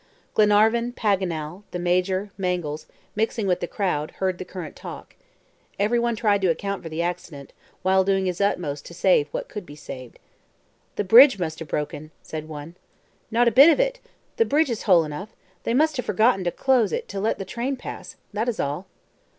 Glenarvan, Paganel, the Major, Mangles, mixing with the crowd, heard the current talk. Everyone tried to account for the accident, while doing his utmost to save what could be saved. "The bridge must have broken," said one. "Not a bit of it. The bridge is whole enough; they must have forgotten to close it to let the train pass. That is all."